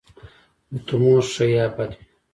د تومور ښه یا بد وي.